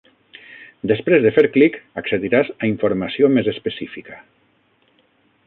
Després de fer clic, accediràs a informació més específica.